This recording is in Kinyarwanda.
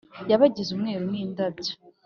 yabagize umweru n'indabyo,